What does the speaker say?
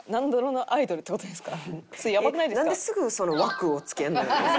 なんですぐその枠をつけんのよ？